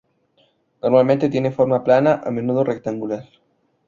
Normalmente tiene forma plana, a menudo rectangular.